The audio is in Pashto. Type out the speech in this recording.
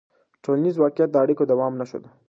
ټولنیز واقیعت د اړیکو د دوام نښه ده.